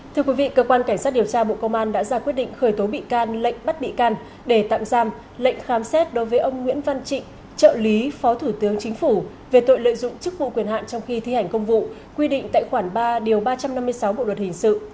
thưa quý vị cơ quan cảnh sát điều tra bộ công an đã ra quyết định khởi tố bị can lệnh bắt bị can để tạm giam lệnh khám xét đối với ông nguyễn văn trịnh trợ lý phó thủ tướng chính phủ về tội lợi dụng chức vụ quyền hạn trong khi thi hành công vụ quy định tại khoản ba điều ba trăm năm mươi sáu bộ luật hình sự